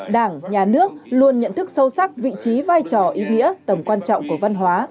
đảng nhà nước luôn nhận thức sâu sắc vị trí vai trò ý nghĩa tầm quan trọng của văn hóa